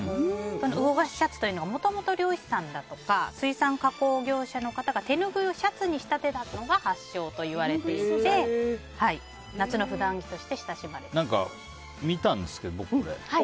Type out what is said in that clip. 魚河岸シャツというのはもともと漁師さんだとか水産加工業者の方が手ぬぐいをシャツに仕立てたのが発祥といわれていて夏の普段着として何か見たんですよ、僕これ。